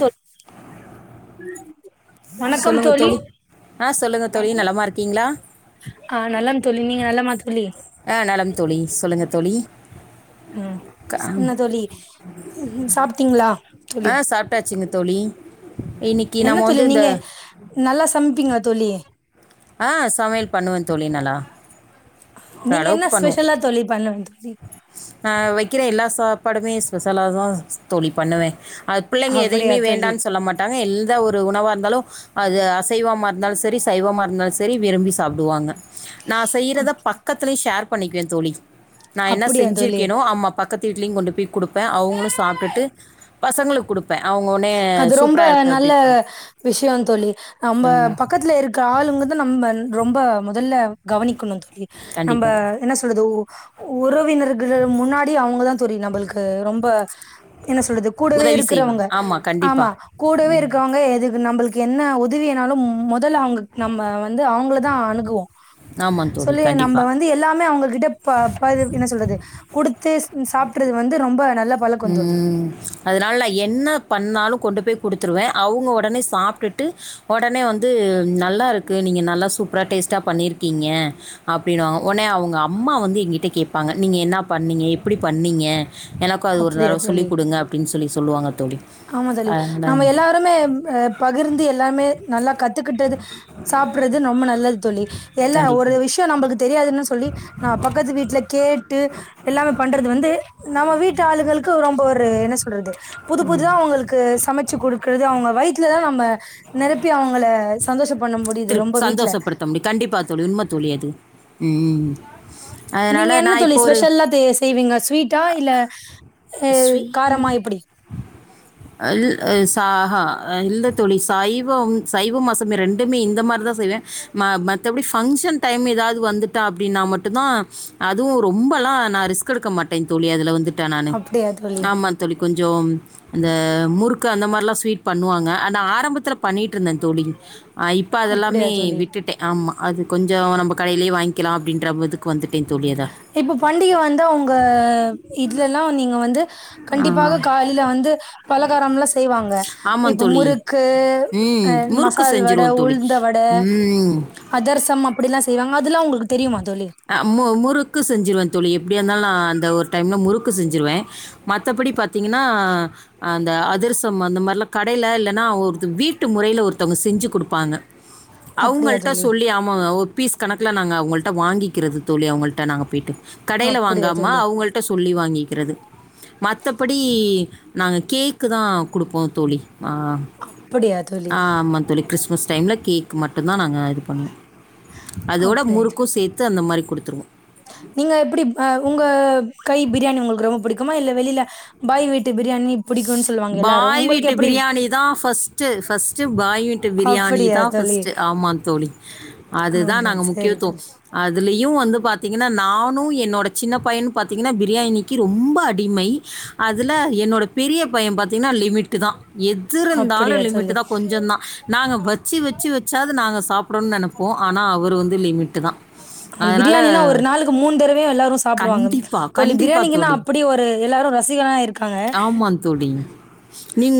தோ வணக்கம் தோழி ஆ சொல்லுங்க தோழி நலமா இருக்கீங்களா ஆ நலம் தோழி நீங்க நலமா தோழி அ நலம் தோழி சொல்லுங்க தோழி ம் க- என்ன தோழி உ ம் சாப்டீங்ளா அ சாப்டாச்சிங்க தோழி இன்னைக்கு என்ன நம்ம தோழி வந்து இந்த நீங்க நல்லா சம்பீங்களா தோழி ஆ சமையல் பண்ணுவ தோழி நல்லா பா நீங்க என்ன அளவுக்கு பண்ணுவ ஸ்பெஷலா தோழி பண்ணுவீங்க தோழி ஆ ஒய் க்கிற எல்லா சாப்பாடுமே ஸ்பெஷாலாதா தோழி பண்ணுவ அது பிள்ளைங்க அப்டியா எதையுமே தோழி வேண்டானு சொல்ல மாட்டாங்க எல் தா ஒரு உணவா இருந்தாலும் அது அசைவமா இருந்தாலு சரி சைவமா இருந்தாலு சரி தெரி விரும்பி சாப்டுவாங்க நா செய்றத பக்கத்துலயும் ஷேர் பண்ணிக்குவேன் தோழி நான் என்ன அப்டியா தோழி செஞ்சிருக்கேனோ ஆமா பக்கத் து வீட்டுலயும் கொண்டு போய் கொடுப்ப அவுங்களும் சாப்டுட்டு பசங்களுக்கு கொடுப்ப அது ரொம்ப நல்ல விஷய தோழி நம்ப ம் பக்கத்துல இருக்க ஆளுங்க நம்ப ரொம்ப முதல்ல கவனிக்கணு தோழி நம்ப கண்டிப்பாக என்ன சொல்றது உறவினர்கள் முன்னாடி அவங்கதான் தோழி நம்பள்க்கு ரொம்ப என்ன சொல்றது கூடவே உதவி செய்வாங்க இருக்கிறவங்க ஆமாம் ஆமா கண்டிப்பாக கூடவே இருக்கவங்க அதுக்கு நம்பளுக்கு என்ன உதவியானாலும் முதல்ல அவங்க நம்ப வந்து அவங்களதான் அணுகுவோ ஆமாம் தோழி சொல்லு நம்ப கண்டிப்பாக வந்து எல்லாமே அவங்க கிட்ட பா ப என்ன சொல்றது கொடுத்து சாப்டுறது வந்து ரொம்ப நல்ல பழக்கம் தோழி உம் அதனால நா என்னப் பண்ணாலும் கொண்டு போய் கொடுத்துருவே அவங்க உடனே சாப்டடுட்டு உடனே வந்து நல்லா இருக்கு நீ நீங்க நல்லா சூப்பரா டேஸ்ட்டா பண்ணிருக்கீங்க அப்டினுவாங்க உடனே அவங்க அம்மா வந்து எங்கிட்ட கேப்பாங்க நீங்க என்னா பண்ணீங்க எப்டி பண்ணீங்க க்கா அது ஒரு அப்படியா தடவ சொல்லிக் தோழி கொடுங்க அப்டின்னு சொல்லி சொல்லுவாங்க தோழி. ஆமா தோளி அதனால நம்ம எல்லாருமே ஆ பகிர்ந்து எல்லாருமே நல்லா கத்துக்கிட்டது சா ப்பறது ரொம்ப நல்லது தோளி எல்லா ஒரு கண்டிப்பா. விஷியோ நம்பளுக்கு தெரியாதுன்னு சொல்லி நா பக்கத்து வீட்ல கேட்டு ட்டு எல்லாமே பண்றது வந்து நம்ம வீட்டு ஆளுங்களுக்கு ரொம்ப ஒரு என்ன சொல்றது புதுசு புதுசா அவங்களுக்கு சமச்சி குடுக்குறது அவங்க வயித்துல தா நம்ம நெரப்பி அவங்கள சந்தோஷ திருப் சந்தோஷப்படுத்த முடியு கண்டிப்பா தோளி உண்ம தோளி அது ம் அதனால நீங்க என்ன நான் தோளி இப்போ ஒரு ஸ்பெஷல்லா தெ செய்வீங்க ஸ்வீட்டா இல்ல ஆ காரமா எப்பிடி இல் ஆ சாஆ இல்ல தோளி சைவோம் சைவோ அசைவுமே ரெண்டு எப்பேயுமே இந்த மாரி தாஅ செய்வே ம மத்தபடி ஃபங்க்ஷன் டைம் ஏதாவது து வந்துட்டா அப்டின்னா மட்டுந்தா அதுவு ரொம்பல்லா நா ரிஸ்க் எடுக்க மாட்டே தோளி அதுல வந்துட்ட நானு அப்டியா தோழி. ஆமா தோளி கொஞ்சு அந்த முறுக்கு அந்த மாரிலா ஸ்வீட் பண்ணுவாங்க நா ஆரம்பத்துல பண்ணிட்டு இருந்தேன் தோளி இப்ப அதெல்லாமே அப்டியா தோழி. விட்டுட்டே ஆமா அது கொஞ்சோ நம்ப கடையிலேயே வாங்கிக்கலா அப்டின்ற இதுக்கு வந்துட்டே தோளி அதோ இப்போ பண்டிக வந்தா உங்க இதுலல்லா நீங்க வந்து ஆ கண்டிப்பாக காலில வந்து பலகாரம்ல்லா செய்வாங்க ஆமாம் இப்போ தோழி முறுக்கு ம் ஆ முறுக்கு மசால் வடே செஞ்சுருவோம் தோழி உளுந்த வடே ம் அதர்சம் அப்பிடில்லா செய்வாங்க அதெல்லா உங்களுக்கு தெரியுமா தோழி ஆ மு முறுக்கு செஞ்சிருவே தோளி எப்பிடியா இருந்தாலு நா அந்த ஒரு டைம்ல முறுக்கு செஞ்சிருவே மத்தபடி பாத்தீங்கன்னா அந்த அது அதிரசம் அந்த மாரிலா கடையில இல்லன்னா ஒரு வீட்டு முறையில ஒருத்தவங்க செஞ்சு கொடுப்பாங்க அப்டியா அவுங்கள்ட்ட தோழி சொல்லி ஆமாங்க ஒரு பீஸ் கணக்குல நாங்க அவுங்கள்ட வாங்கி க்கிறது தோளி அவங்கள்ட்ட நாங்க போய்டு கடையில அப்டியா வாங்காம தோழி அவங்கள்ட சொல்லி வாங்கிக்கிறது மத்தபடி நாங்க கேக்கு தா குடுப்போ தோளி ஆ அப்டியா தோழி ஆமாந் தோளி கிறிஸ்மஸ் டைம்ல கேக் மட்டு தா நாங்க இது பண்ணுவோ அதோட அப்டியா தோழி முறுக்கு சேத்து அந்த மாரி குடுத்துருவோ நீங்க எப்பிடி அ உங்க கை பிரியாணி உங்களுக்கு ரொம்ப பிடிக்குமா இல்ல வெளியில பாய் வீட்டு ட்டு பிரியாணி பிடிக்குனு சொல்லுவாங்க எல்லாரு பாய் உங்குளுக்கு வீட்டு எப்பிடி பிரியாணி தான் ஃபர்ஸ்ட்டு ஃபர்ஸ்ட்டு பாய் வீட்டு பிரியாணி தா தோழி ஃபஸ்ட்டு ஆமாந் தோளி அதுதா ஆமா நாங்க சரி முக்கியத்துவோ தோழி அதுலேயே இவங்க வந்து பாத்தீங்கன்னா நானு என்னோட சின்ன பையனு பாத்தீங்கன்னா பிரியாணிக்கு ரொம்ப அடிமை அதுல என்னோட பெரிய பைய பாத்தீங்கன்னா லிமிட்டு தா எது இருந்தாலு அப்டியா லிமிட்டு தோழி தா கொஞ்சு தா நாங்க வெச் வெச்சி வெச்சி வெச்சாவது நாங்க சாப்படோன்னு நெனப்போ ஆனா அவரு வந்து லிமிட்டு தா பிரியாணினா ஒரு நாளுக்கு மூனு தடவையு எல்லாரு சாப்பிடுவாங்க கண்டிப்பாக தோளி கண்டிப்பாக பிரியாணிக்கென்னா தோழி அப்படி ஒரு எல்லாரு ரசிகனா இருக்காங்க ஆமாந் தோளி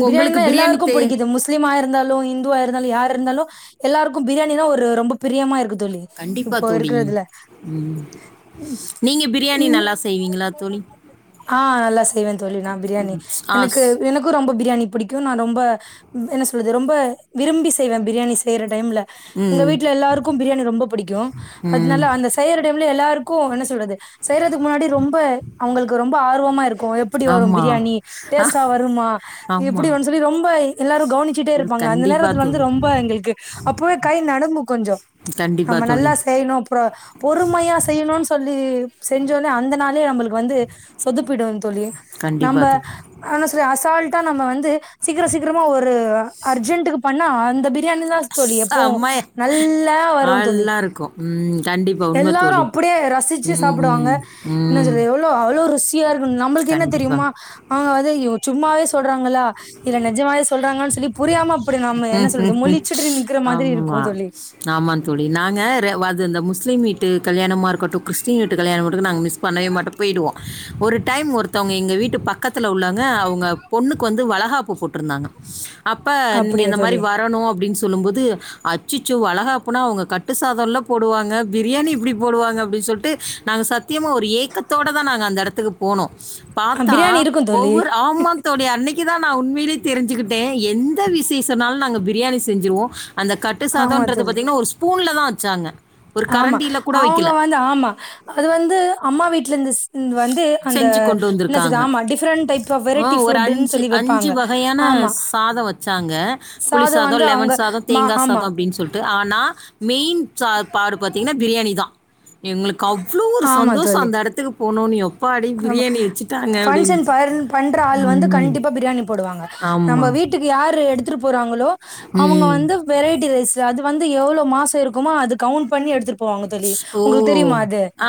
பிரியாணி நா எல்லாருக்கு புடிக்குது முஸ்லிம் ஆ இருந்தாலு இந்து வா இருந்தாலு யாரு இருந்தாலு எல்லாருக்கு பிரியாணி நா ஒரு ரொம்ப பிரியமா இருக்கு தோளி இப்போ இருக்கறதுல உம் நீங்க பிரியாணி நல்லா செய்வீங்களா தோளி ஆ நல்லா செய்வேன் தோளி நா பிரியாணி ஆ எனக்கு ஸ் எனக்கு ரொம்ப பிரியாணி பிடிக்கு நா ரொம்போ என்ன சொல்லறது ரொம்ப விரும்பி செய்வே பிரியாணி செய்யிற டைம்ல எங்க ம். வீட்ல எல்லாருக்கு பிரியாணி ரொம்போ புடிக்கு ம். அதனால அந்த செய்ற டைம்ல எல்லாருக்கு என்ன சொல்றது செய்யிறதுக்கு முன்னாடி ரொம்போ அவங்களுக்கு ரொம்போ ஆர்வமா இருக்கு எப்பிடி வரும் ஆமா. பிரியாணி டேஸ்ட்டா வரும்மா மா ஆமா. எப்பிடி வருன் சொல்லி ரொம்போ எல்லாரு கவனிச்சுட்டே ம். இருப்பாங்க அந்த கண்டிப்பா நேரத்துல வந்து தோழி. ரொம்ப எங்களுக்கு அப்பவே கை நடுங்கு கொஞ்சு ம்ச் கண்டிப்பா ஆமா தோழி. நல்லா செய்யிணு அப்புறோ பொறுமையா செய்யிணுன்னு சொல்லி செஞ்சோன அந்த நாளே நம்மளுக்கு வந்து சொதிப்பிடு தோளி கண்டிப்பா நம்ப தோழி. ஆன செரி அசால்ட்டா நம்ம வந்து சீக்கிரோ சீக்கிரமா ஒரு அர்ஜென்ட்க்கு பண்ணா அந்த பிரியாணிதா தோளி எப்போவு செம்மையா நல்லா வரு தோளி நல்லா இருக்கும். ம். கண்டிப்பா உண்ம எல்லாரு தோழி. அப்பிடியே ரசிச்சு சாப்பிடுவாங்க ம். என்ன ம். சொல்றது எவ்ளோ அவ்ளோ ருசியா இருக்கு நம்மளுக்கு என்ன கண்டிப்பா. தெரியுமா அவுங்க வந்து சும்மாவே சொல்றாங்க வுங்கள்ளா இல்ல நெஜமாவே சொல்றாங்கன்னு சொல்லி புரியாம அப்டி நாம என்ன சொல்றது மொழிச்சிட்டு நிக்ற மாரி இருக்கு தோழி ஆமாந் தோழி நாங்க அது இந்த முஸ்லிம் வீ ட்டு கல்யாணமா இருக்கட்டு கிறஸ்டின் வீட்டு கல்யாணமா இருக்கட்டு நாங்க மிஸ் பண்ணவே மாட்டோ போய்டுவோ ஒரு டைம் ஒருத்தவங்க எங்க வீட்டு பக்கத்தில உள்ளவங்க அவுங்க பொண்ணுக்கு வந்து வள காப்புக்கு கூப்டிருந்தாங்க அப்ப நீங்க அப்படியா இந்த மாரி தோழி வரணு அப்டின்னு சொ ல்லும்போது அச்சச்சோ வளைகாப்புனா அவுங்க கட்டு சாதோல்ல போடுவாங்க பிரியாணி எப்டி போடுவாங்க அப்டி சொல்ட்டு நாங்க சத்தியமா ஒரு ஏக்கத்தோடதா நாங்க அந்த எடத்துக்கு போனோ பாத்தா பிரியாணி இருக்கு தோழி ஒவ்வொரு ஆமாத்தோழி அன்னைக்குதா நா உண்மையிலே தெரிஞ்சிக்கிட்டே எந்த விசேஷனாலு நாங்க பிரியாணி செஞ்சிருவோ அந்த கட்டு ஆமா சாதோன்றது தோழி. பாத்தீங்கன்னா ஒரு ஸ்பூன்லதா வெச்சாங்க ஆமா அவுங்க வந்து ஆமா அது வந்து அம்மா வீட்லந்து வந்து அந்த செஞ்சு ஆ கொண்டு இல்ல சிஸ் வந்திருக்காங்க. ஆமா different type of ah variety ஒரு ஃபுட்னு சொல்லி வெ ப்பாங்க வகையான ஆமா சாதம் வச்சாங்க. புளி சாதம் சாதோ, வந்து அவங்க லெமன் சாதோ, மா தேங்கா ஆமா. சாதோ அப்டின்னு சொல்ட்டு ஆனா மெயின் சாப்பாடு பாத்தீங்கன்னா பிரியாணிதா எங்களுக்கு அவ்ளோ ஒரு ஆமா சந்தோஷோ தோழி. அந்த எடத்துக்கு போனொன்னயு எப்பாடி பிரியாணி வெச்சுட்டாங்க அப்டின்னுச்சு ர்ன் பண்ற ஆள் வந்து கண்டிப்பா பிரியாணி போடுவாங்க நம்ம ஆமா. வீட்டுக்கு யார்ரு எடுத் போறாங்களோ அவுங்க ம். வந்து வெரைட்டி ரைஸ் அது வந்து எவ்ளோ மாசௌ இருக்குமோ அது கவுண்ட் பண்ணி எடுத்து போங்க தோழி ஓ! உங்களுக் தெரியுமா அது ஆ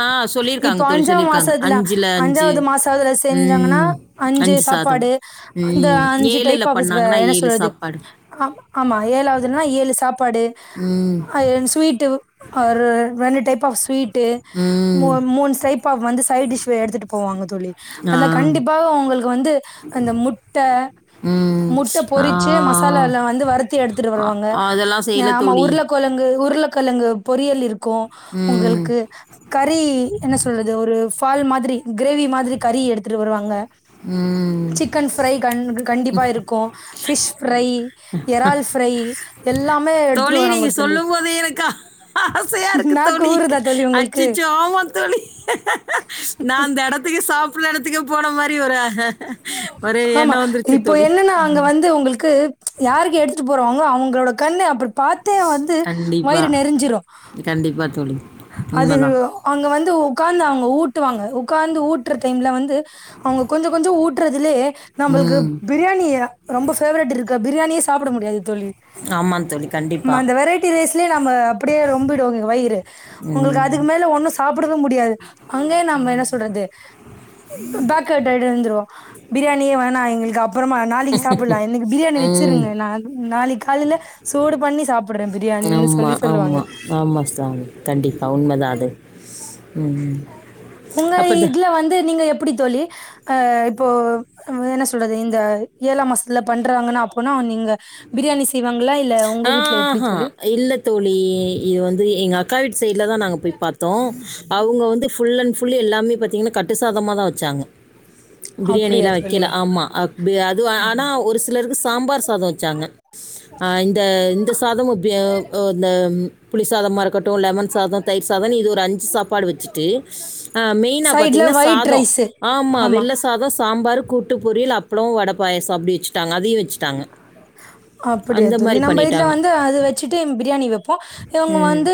இப்ப சொல்லியிருக்காங்க தோழி, அஞ்சா சொல்லியிருக்காங்க. மாசத்துல அஞ்சாவது மாசதுல செஞ்சாங்கனா ம். அஞ்சு சாதம். சாப்பாடு அந்த ம். அஞ்சு டைப் ஆஃப் பண்ணாங்கன்னா என்ன சொல்றது சாப்பாடு. ஆ ஆமா ஏழாவதுனா ஏழு சாப்பாடு ம். ஸ்வீட்டு ஒரு ரெண்டு டைப் ஆப் ஸ்வீட் ட்டு மூ ம். மூணு சைப்பா வந்து சைடு டிஷ் எடுத்துட்டு போவாங்க தோழி ஆ. அதுல கண்டிப்பாக அவுங்க உங்களுக்கு வந்து அந்த முட்ட ம். முட்ட ஆ. பொறிச்சு மசாலால்லா வந்து வருத்து எடுத்துட்டு அ வருவாங்க அதெல்லாம் செய்யல ஆமா தோழி. உருளகுழங்கு உருள கிழங்கு பொரியல் இருக்கு ம். உங்களுக்கு கறி என்ன சொல்றது ஒரு ஃபால் மாரி கிரேவி மாரி கறி எடுத்துட்டு வருவாங்க ம் சிக்கன் ஃப்ரை கண் கண்டிப்பா இருக்கு ஃபிஷ் ஃப்ரை எறால் ஃப்ரை எல்லாமே எடுத்துட்டு தோழி வராங்க நீங்க தோழி. சொல்லும்போதே எனக்கு ஆசையா இருக்கு நாக்கு தோழி ஊறுதா தோழி உங்களுக்கு? அச்சுச்சோ ஆமா தோழி நா அந்த எடத்துக்கு சாப்டற எடத்துக்கு போன மாரி ஒரு ஒரு ஆமா எண்ணம் வந்துருச்சு இப்போ தோழி என்னனா அங்க வந்து உங்களுக்கு யாருக்கு எடுத்துட்டு போறவங்க அவுங்களோட கண்ணு அப்டி பாத்தே வந்து கண்டிப்பா வயிறு நெரஞ்சிரு கண்டிப்பா தோழி அது உண்மைதான் அங்க வந்து உக்காந்தாங்க ஊட்டுவாங்க உக்காந்து ஊட்டுற டைம்ல வந்து அவுங்க கொஞ்சோ கொஞ்சோ ஊட்டுறதுலயே நம்ள்க்கு ம் பிரியாணி ரொம்ப ஃபேவரிட் இருக்க பிரியாணியே சாப்பிட முடியாது தோழி ஆமாம் தோழி கண்டிப்பா நாம அந்த வெரைட்டி ரைஸ்லயே நம்ம அப்டியே ரொம்பிடுவோங்க வயிறு உங்களுக்கு ம் அதுக்கு மேல ஒன்னு சாப்பிடவே முடியாது அங்கயே நம்ம என்ன சொல்றது இ பேக் அவுட் ஆயிட்டு வந்துருவோம் பிரியாணியே வேணா எங்களுக்கு அப் றமா நாளைக்கு சாப்பில்லா என்க்கு பிரியாணி ம் வெச்சிருங்க நாளைக்கு காலைல சூடு பண்ணி சாப்டுறேன் பிரியாணி ஆமா ஆமா ஆமா சாமி கண்டிப்பா உண்மதா அது அ ம் உங்க அப்போ இதுல வந்து நீங்க எப்டித்தோழி அ இப்போ என்ன சொல்றது இந்த ஏழாம் மாசத்துல பண்றாங்கனா அப்பனா நீங்க பிரியாணி செய்வாங்களா இல்ல உங்க ஆ வீட்ல எப்படி ஆஹா தோழி இல்ல தோழி இது வந்து எங்க அக்கா வீ சைட்ல தா நாங்க போய் பாத்தோ அவுங்க வந்து ஃபுல்லன் ஃபுல் எல்லாமே பாத்திங்கன்னா கட்டுசாதமாக தா வெச்சாங்க அப்படியா பிரியாணில்லா தோழி வெக்கில ஆமா அத் பிரி அது ஆனா ஆமா ஒரு சிலருக்கு சாம்பார் சாதோ வெச்சாங்க ஆ இந்த இந்த சாதமு பிய அ இந்த புளி சாதமாரு க்கட்டு லெமன் சாதோ தயிர் சாதோன் இது ஒரு அஞ்சு சாப்பாடு வெச்சுட்டு ஆ மெயினா சைட்ல பாத்தீங்ன்னா ஒயிட் சாதோ ரைஸு ஆமா வெள்ள சாதோ சாம்பரு கூட் டு பொரியல் அப்ளோ வடப்பாயச அப்டி வெச்சிட்டாங்க அதையி வெச்சிட்டாங்க அப்படியா தோழி நம்ம இதுல வந்து அது வச்சிட்டு பிரியாணி வெப்போ இவுங்க ம். வந்து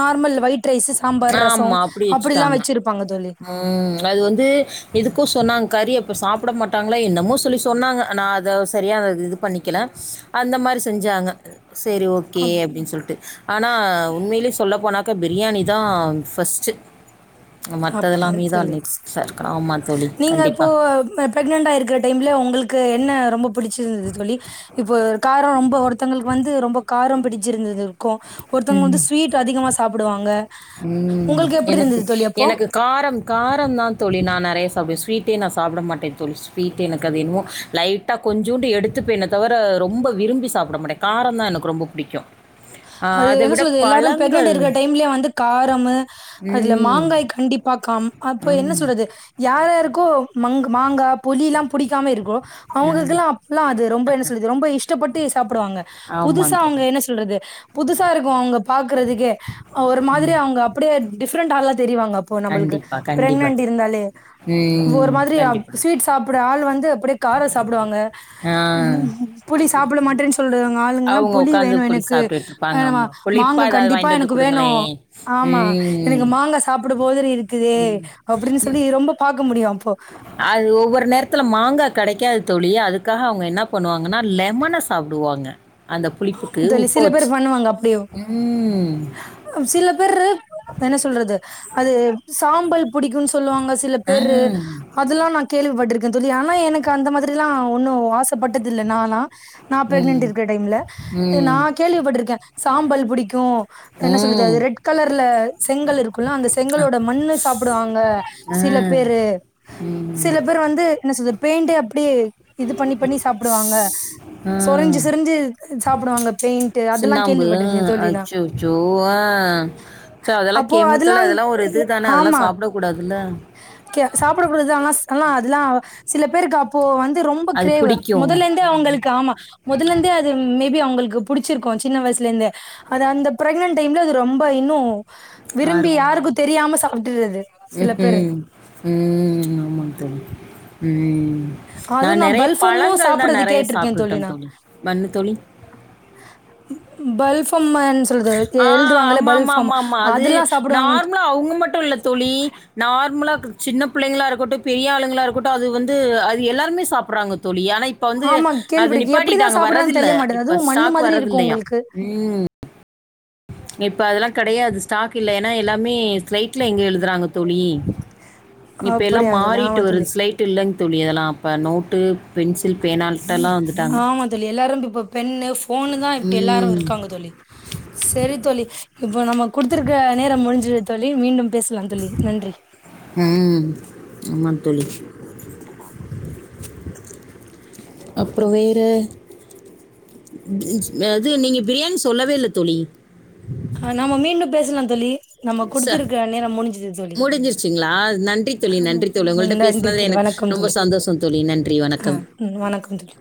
normal white rice sambar rasam ஆமா அப்டி அப்படிலாம் வெச்சிட்டாங்க வச்சிருப்பாங்க தோழி ம் அது வந்து இதுக் சொன்னாங் கறி அப்போ சாப்புட மாட்டாங்களா என்னமோ சொல்லி சொன்னாங்க நா அத செரியா இது பண்ணிக்கல அந்த மாரி செஞ்சாங்க செரி ஓகே அப் அப்டின் சொல்ட்டு ஆனா உண்மைலே சொல்ல போனா க்க பிரியாணி தா ஃபஸ்ட்டு அப்டிய தோழி இருக்கலாம். ஆமா தோழி. நீங்க இப்போ கண்டிப்பா. ப்ரெக்னன்டா இருக்கிற டைம் இல்ல உங்ளுக்கு என்ன ரொம்ப பிடிச்சிருந்தது தோழி இப்போ காரோ ரொம்ப ஒருத்தங்ளுக்கு வந்து ரொம்ப காரோ பிடிச்சிருந்தது க்கு ம். ஒருத்தங்க வந்து ஸ்வீட் அதிகமா சாப்பிடுவாங்க உங்களுக்கு எப்டி இருந்தது தோழி அப்போ இது காரம் காரந்தா தோழி நா நெறையா சாப்பிடுவே ஸ்வீட்டே நா சாப்பிட மாட்டே தோழி ஸ்வீட் எனக்கு அது என்னவோ லைட்டா கொஞ் கொஞ்சூண்டு எடுத்துப்பேன தவிர ரொம்ப விரும்பி சாப்பிட மாட்ட காரந்தா எனக்கு ரொம்ப புடிக்கு அது என்ன சொல்றது எல்லாரு பிரெக்னன்டா இருக்கற டைம்லயே வந்து காரமு அதுல ம். மாங்காய் கண்டிப்பா க்காம் அப்போ என்ன ஆமா. சொல்றது யார் யாருக்கோ மங்கு மாங்கா புளில்லா புடிக்காம இருக்கு அ. அவுங்களுக்கெல்லா அப்ல்லா அது ரொம்ப என்ன சொல்லுது ரொம்ப இஷ் டப்பட்டு சாப்பிடுவாங்க புதுசா ஆமாங்க அவுங்க தோழி. என்ன சொல்றது புதுசாருக்கு அவுங்க பாக்கறதுக்கே ஒரு மாத்ரி அவுங்க அப்டியே டிஃப்ரெண்டால தெரிவாங்க அப்போ நம்மளுக்கு கண்டிப்பா, கண்டிப்பா பிரெக்னன்ட் தோழி. இருந்தாலே ஒரு ம். மாத்ரி அப் கண்டிப்பா. ஸ்வீட் சாப்பிடுற ஆள் வந்து அப்டியே கார சாப்பிடுவாங்க ஆ. ம் ம் புளி சாப்பிட மாட்டேன் சொல்றங்க ஆளுங்கல்லா அவங்க புளி உட்காந்து வேணு இப்டி எனக் கு சாப்பிட்டுட்டு இருப்பாங்க. ஏமா ஆமா. புளிப்பா மாங்கா ஏதாவது கண்டிப்பா வாங்கிட்டு எனக்கு வந்து வேணு குடுங்களேன். ஆமா ம். எனக்கு மாங்கா சாப்பிடு போ திரி இருக்குதே அப்டின் சொல்லி ரொம்ப பாக்க முடியு அப்போ கெடைக்காது தோழி அதுக்காக அவுங்க என்னா பண்ணுவாங்கன்னா லெமன சாப்பிடுவாங்க அந்த ஆமா புளிப்புக்கு தோழி உப்ப சில பேரு வச்சு. பண்ணுவாங்க அப்டியு ம். சில பேர்ரு என்ன சொல்றது அது சாம்பல் புடிக்குன் சொல்லுவாங்க சில ஆ. பேர்ரு அதெல்லா நா கேள்விப்பட்ருக்க ந்தோழி ஆனா எனக்கு அந்த மாத்ரில்லா ஒன்னு ஆசப்பட்டதில்ல நானா நா பிரெக்னன்ட் ம். இருக்கிற டைம்ல நா ம். கேள்விப்பட்ருக்கே சாம்பல் புடிக்கு என்ன சொல்லுது ம். அது ரெட் கலர்ல செங்கல் இருக்குல்ல அந்த செங்கலோட மண்ணு ஸ் சாப்புடுவாங்க ஆ. சில பேரு ம். சில பேர் வந்து என்ன சொல்த் பெயிண்டே அப்பிடியே இது பண்ணி பண்ணி சாப்டுவாங்க ஆ. சொரிஞ்சி சொரிஞ்சி சாப்புடுவாங்கப் சுண்ணாம்பு அ அச்சச்சோ ஆ சோ அதெல்லா அப்போ அதெல்லா கெமுக்கல் அதுல்லா ஒரு இதுதான அதெல்லா சாப்ட கூடாதில்ல ஓகே அது சாப்புடக்கூடாது தா ஆனா ஸ் அதுலா சில பேருக்கு அப்போ வந் து ரொம்ப அது க்ரேவு பிடிக்கும். முதலேந்தே அவுங்களுக்கு ஆமா முதல்லந்தே அது மேபி அவுங்கள் க்கு புடிச்சிருக்கு சின்ன வயஸ்லேந்தே அது அந்த ப்ரெக்னென்ட் டைம்ல அது ரொம்ப இன்னு விரும்பி ஆர்வம். யாருக்கு தெரியாம சாப்ட்றது சில பேர்ரு ம்ஹ்ம். ம் ஆமாந்தோழி ம் நா அதுவு நெறையா பல்ஃபமு பழங்கள் தா சாப்புட்றது நெறைய கேட்ருக்கே சாப்டுட்டன் தோழி மண்ணு தோழி பல்ஃப் ஆ ஆம்மாமாமா அது அதெல்லா சாப்புடுவாங்கன் நார்மலா அவுங்க மட்டு இல்லத் தோழி நார்மலா சின்ன புள்ளைங்ளா இருக்கட்டு பெரியாளுங்ளா இருக்கட்டு அது வந்து அது எல்லாருமே சாப்புடறாங்க தோழி ஏ னா இப்ப வந்து ஆமா அது கேள்விப்பட்ருக்கே எப்டிதா நிப்பாட்டிட்டாங்க சாப்புட்றாங்கன் வர்றதில்ல தெரிய மாட்டேது இப்ப அதுவு மண்ணு ஸ்டாக் மாதிரி இருக்கு வர்றதில்லையா உங்களுக்கு இப்ப அதெலா கெடையாது ஸ்டாக் இல்ல ஏனா எல்லாமே ஸ்லைட்ல எங்க எழுதுறாங்க தோழி இப்ப எல்லா அப்படியா தோழி ஆமா மாறிட்டு தோழி வருது ஸ்லைட் இல்லங் தோழி அதெலா அப்ப நோட்டு பென்சில் பேனான் ஆமாந்தோழி எல்லாரு இப்ப பென்னு ஃப் ஃபோனுதா இப்ப எல்லாரு ம் இருக்காங்க தோழி செரி தோழி இப்போ நம்ம குடுத்துருக்க நேர முடிஞ்சுது தோழி மீண்டும் பேசலாம் தோழி நன்றி ம் ஆமாம் தோழி அப்றோ வேற அது நீங்க பிரியாணி சொல்லவே இல்ல தோழி ஆ நம்ம மீண்டும் பேசலாந் தோழி நம்ம குடுத்திருக்குற நேரம் முடிஞ்சுது தோழி முடிஞ்சிருச்சுங்ளா நன்றி தோழி ஆமா நன்றி தோழி உங்கள்ட்ட நன்றி பேசுனதுல எனக் ரொம்ப சந்தோஷ தோழி நன்றி வணக் அ ம் வணக்கந் தோழி